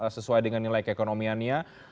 sesuai dengan nilai keekonomiannya